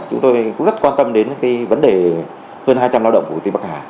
chúng tôi rất quan tâm đến vấn đề hơn hai trăm linh lao động của quốc tế bắc hà